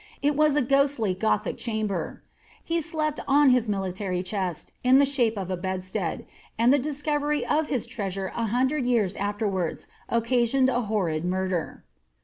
It was a ghostly gothic cham her. He slept on his military chest, in the shape of a bedstead, and the discovery of his treasure a hundred years aAerwards occasioned a hoirid murder.